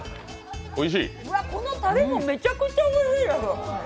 このたれもめちゃくちゃおいしいです